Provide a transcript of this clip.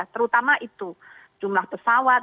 terutama itu jumlah pesawat